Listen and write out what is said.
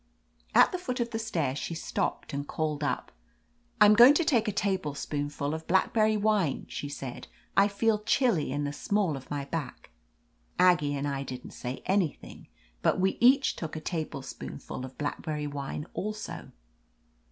At the foot of the stairs she stopped and called up. "I'm going to take a tablespoonful of black berry wine," she said. "I feel chilly in the small of my back." Aggie and I didn't say an3rthing, but we each took a tablespoonful of blackberry wine also.